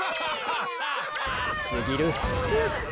すぎる。